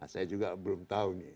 saya juga belum tahu nih